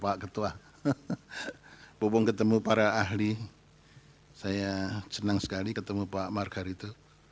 pak ketua pupung ketemu para ahli saya senang sekali ketemu pak margar itu